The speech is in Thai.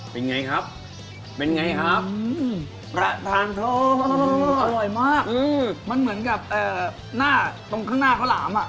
เป็นไงครับเป็นไงครับอื้มอร่อยมากอื้มมันเหมือนกับเอ่อหน้าตรงข้างหน้าเขาหลามอ่ะ